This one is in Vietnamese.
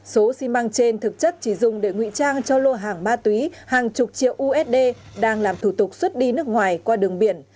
số xi măng trên thực chất chỉ dùng để ngụy trang cho lô hàng ma túy hàng chục triệu usd đang làm thủ tục xuất đi nước ngoài qua đường biển